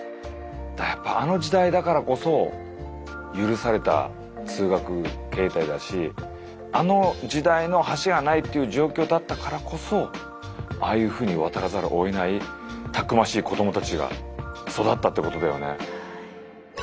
あの時代だからこそ許された通学形態だしあの時代の橋がないっていう状況だったからこそああいうふうに渡らざるをえないたくましい子供たちが育ったってことだよね。